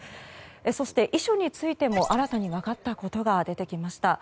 そして遺書についても、新たに分かったことが出てきました。